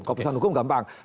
kalau potusan hukum gampang